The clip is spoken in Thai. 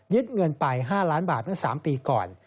ยึดเงินไป๕ล้านบาทตั้ง๓ปีก่อน